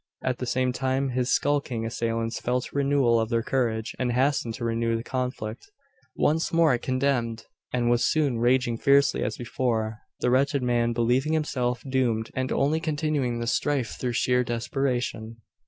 At the same time his skulking assailants felt a renewal of their courage, and hastened to renew the conflict. Once more it commenced, and was soon raging fiercely as before the wretched man believing himself doomed, and only continuing the strife through sheer desperation.